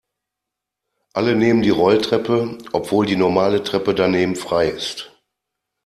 Alle nehmen die Rolltreppe, obwohl die normale Treppe daneben frei ist.